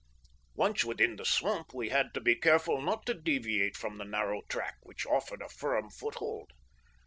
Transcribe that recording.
Once within the swamp, we had to be careful not to deviate from the narrow track, which offered a firm foothold.